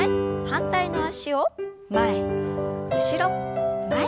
反対の脚を前後ろ前。